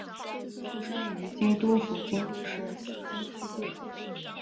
出身于京都府京都市西京区桂。